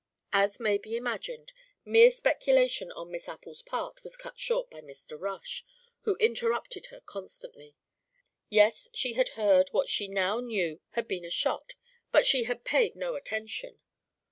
As may be imagined, mere speculation on Miss Appel's part was cut short by Mr. Rush, who interrupted her constantly. Yes, she had heard what she now knew had been a shot but she had paid no attention.